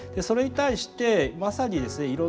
それに対してまさにですね